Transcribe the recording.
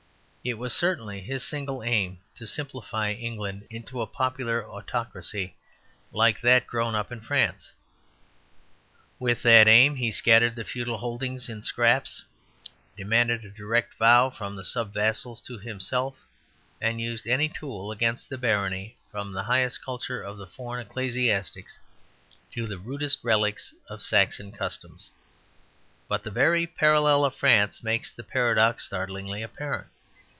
It was certainly his single aim to simplify England into a popular autocracy, like that growing up in France; with that aim he scattered the feudal holdings in scraps, demanded a direct vow from the sub vassals to himself, and used any tool against the barony, from the highest culture of the foreign ecclesiastics to the rudest relics of Saxon custom. But the very parallel of France makes the paradox startlingly apparent.